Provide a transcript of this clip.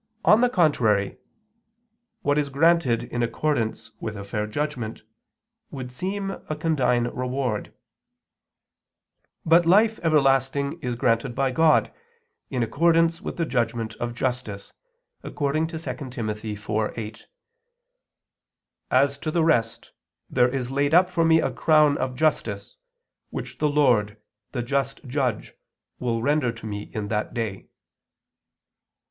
On the contrary, What is granted in accordance with a fair judgment, would seem a condign reward. But life everlasting is granted by God, in accordance with the judgment of justice, according to 2 Tim. 4:8: "As to the rest, there is laid up for me a crown of justice, which the Lord, the just judge, will render to me in that day."